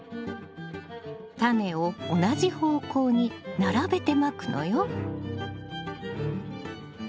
タネを同じ方向に並べてまくのよ。